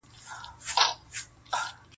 له دې سببه دی چي شپه ستایمه,